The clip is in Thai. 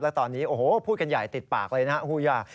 และตอนนี้โอ้โหพูดกันใหญ่ติดปากเลยนะครับ